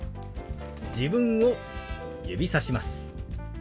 自分を指さします。